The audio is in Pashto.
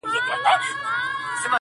پکښي پراته دي په زړو ویشتلي -